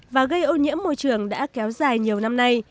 và gây ô nhiễm môi trường đã kéo dài nhiều năm nay